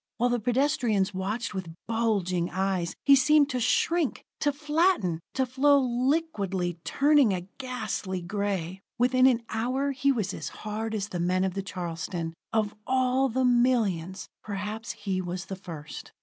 While the pedestrians watched with bulging eyes, he seemed to shrink, to flatten, to flow liquidly, turning a ghastly gray. Within an hour he was as hard as the men of the Charleston. Of all the millions, perhaps he was the first.